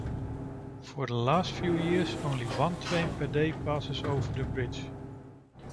For the last few years only one train per day passed over the bridge.